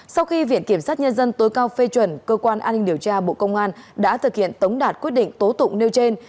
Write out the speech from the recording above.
sau khi viện kiểm sát nhân dân tối cao phê chuẩn cơ quan an ninh điều tra bộ công an đã thực hiện tống đạt quyết định tố tụng nêu trên